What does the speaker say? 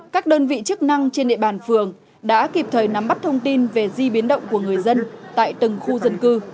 các đơn vị chức năng trên địa bàn phường đã kịp thời nắm bắt thông tin về di biến động của người dân tại từng khu dân cư